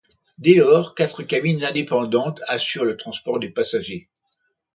Dès lors, quatre cabines indépendantes assurent le transport des passagers.